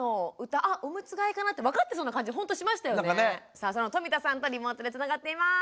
さあその冨田さんとリモートでつながっています。